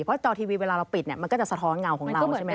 เพราะจอทีวีเวลาเราปิดเนี่ยมันก็จะสะท้อนเงาของเราใช่ไหม